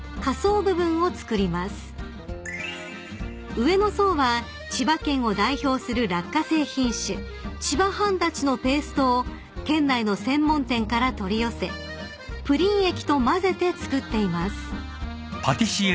［上の層は千葉県を代表する落花生品種千葉半立のペーストを県内の専門店から取り寄せプリン液と混ぜて作っています］